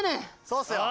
そうっすよ。